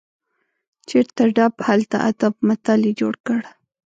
چیرته ډب، هلته ادب متل یې جوړ کړ.